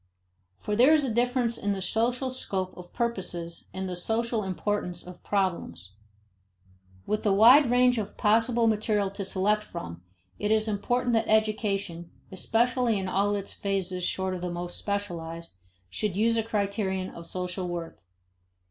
For there is a difference in the social scope of purposes and the social importance of problems. With the wide range of possible material to select from, it is important that education (especially in all its phases short of the most specialized) should use a criterion of social worth.